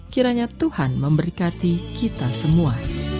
kiranya tuhan memberkati kita semua